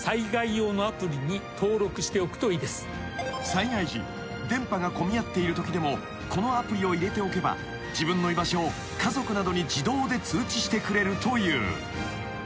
［災害時電波が混み合っているときでもこのアプリを入れておけば自分の居場所を家族などに自動で通知してくれるという］